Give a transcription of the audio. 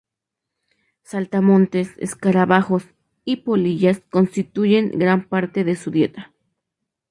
Saltamontes, escarabajos, y polillas constituyen gran parte de su dieta.